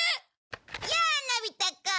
やあのび太くん。